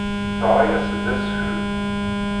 Teɣra-yas-d asefru.